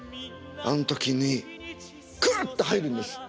あの時にクッと入るんです。